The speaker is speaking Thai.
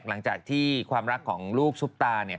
หลังจากที่ความรักของลูกซุปตาเนี่ย